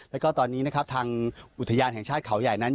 แล้วก็ตอนนี้นะครับทางอุทยานแห่งชาติเขาใหญ่นั้น